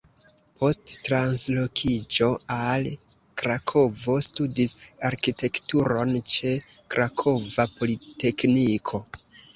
Post translokiĝo al Krakovo studis arkitekturon ĉe Krakova Politekniko.